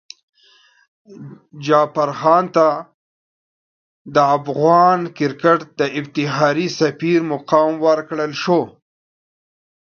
جعفر هاند ته د افغان کرکټ د افتخاري سفیر مقام ورکړل شو.